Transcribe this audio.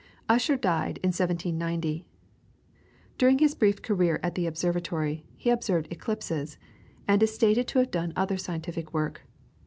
Ussher died in 1790. During his brief career at the observatory, he observed eclipses, and is stated to have done other scientific work.